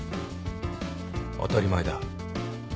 当たり前だ。